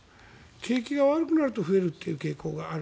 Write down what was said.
景気が悪くなると増える傾向がある。